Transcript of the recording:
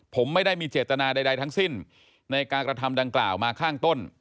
ผมไม่ได้มีเจตนาใดทั้งสิ้นในการกระทำดังกล่าวมาข้างต้น